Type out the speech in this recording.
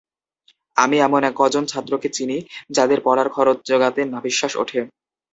আমি এমন কজন ছাত্রকে চিনি যাঁদের পড়ার খরচ জোগাতে নাভিশ্বাস ওঠে।